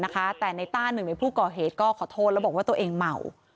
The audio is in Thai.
แต่ในต้าหนึ่งในผู้ก่อเหตุก็ขอโทษแล้วบอกว่าตัวเองเมา